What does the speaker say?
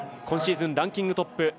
今シーズンランキングトップ。